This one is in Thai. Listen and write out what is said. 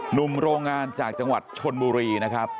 หนุ่มโรงงานจากจังหวัดชนบุรีนะครับ